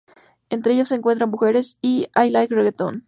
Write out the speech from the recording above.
Entre ellos se encuentran "Mujeres" y "I Like Reggaeton".